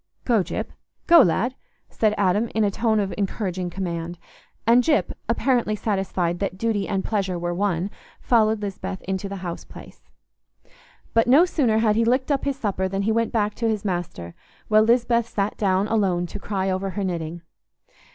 "Go, Gyp; go, lad!" Adam said, in a tone of encouraging command; and Gyp, apparently satisfied that duty and pleasure were one, followed Lisbeth into the house place. But no sooner had he licked up his supper than he went back to his master, while Lisbeth sat down alone to cry over her knitting.